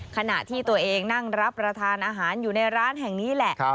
ขณะที่ตัวเองนั่งรับประทานอาหารอยู่ในร้านแห่งนี้แหละ